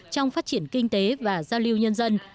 trong phát triển kinh tế và giao lưu nhân dân